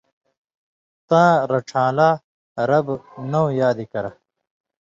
تاں رڇھان٘لاں (رب) نؤں یادی کرہ؛